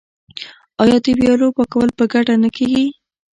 آیا د ویالو پاکول په ګډه نه کیږي؟